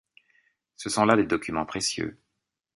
Ce sont là des documents précieux.